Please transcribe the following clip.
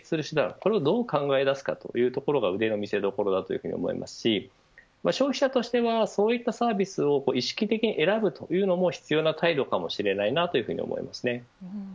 これをどう考え出すかというところ腕の見せどころだと思いますし消費者としてはそういったサービスを意識的に選ぶというのも必要な態度かもしれないと思います。